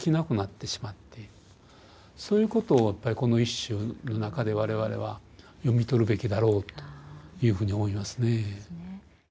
そういうことをこの一首の中でわれわれは読み取るべきだろうというふうに思いますね。